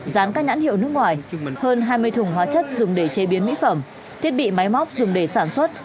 dán các nhãn hiệu nước ngoài hơn hai mươi thùng hóa chất dùng để chế biến mỹ phẩm thiết bị máy móc dùng để sản xuất